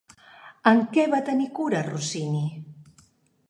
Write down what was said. En què va tenir cura Rossini?